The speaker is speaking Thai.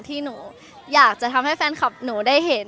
ที่หนูอยากจะทำให้แฟนคลับหนูได้เห็น